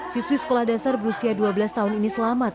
siswi sekolah dasar berusia dua belas tahun ini selamat